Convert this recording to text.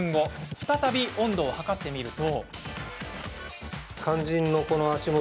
再び温度を測ってみると。